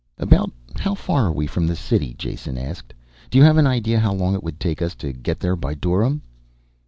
"About how far are we from the city?" Jason asked. "Do you have an idea how long it would take us to get there by dorym?"